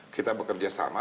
kita bekerja sama